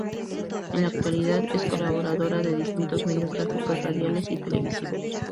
En la actualidad es colaboradora de distintos medios gráficos, radiales y televisivos.